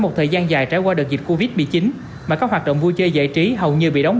một thời gian dài trải qua đợt dịch covid một mươi chín mà các hoạt động vui chơi giải trí hầu như bị đóng